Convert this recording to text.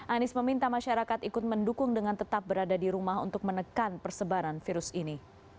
anies meminta masyarakat ikut mendukung dengan tetap berada di rumah untuk menekan persebaran virus ini